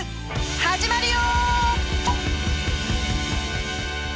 始まるよ！